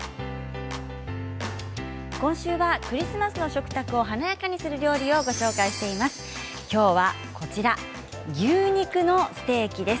今週はクリスマスの食卓を華やかにする料理をご紹介しています。